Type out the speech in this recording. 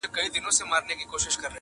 دعوه د سړيتوب دي لا مشروطه بولمیاره .